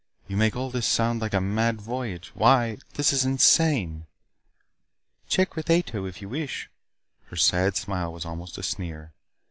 "You make all this sound like a mad voyage. Why, this is insane!" "Check with Ato if you wish." Her sad smile was almost a sneer.